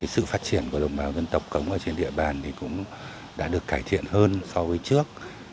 sự phát triển của đồng bào dân tộc cống ở trên địa bàn cũng đã được cải thiện hơn so với trước